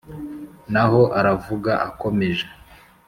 Naho aravuga akomeje.